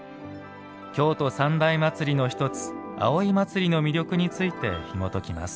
京都三大祭りの一つ葵祭の魅力についてひもときます。